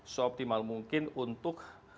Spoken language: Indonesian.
seoptimal mungkin untuk